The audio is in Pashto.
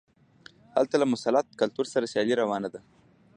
هلته له مسلط کلتور سره سیالي روانه وه.